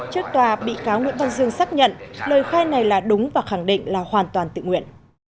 trước tòa bị cáo nguyễn văn dương xác nhận lời khai này là đúng và khẳng định là hoàn toàn tự nguyện